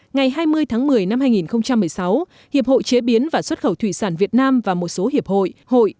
ngày hai mươi tháng một mươi năm hai nghìn một mươi sáu hiệp hội chế biến và xuất khẩu thủy sản việt nam và một số hiệp hội